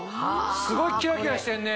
すごいキラキラしてるね！